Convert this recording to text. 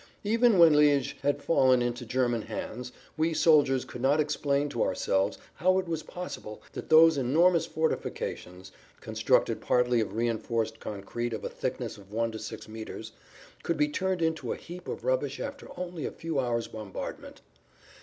Even when Liège had fallen into German hands we soldiers could not explain to ourselves how it was possible that those enormous fortifications, constructed partly of reinforced concrete of a thickness of one to six meters, could be turned into a heap of rubbish after only a few hours' bombardment.